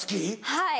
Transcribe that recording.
はい。